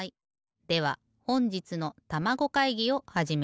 ではほんじつのたまご会議をはじめる。